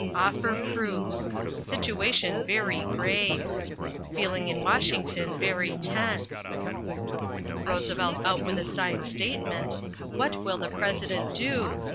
Offer proofs. Situation very grave. Feeling in Washington very tense. Roosevelt out with a signed statement, _What will the President Do?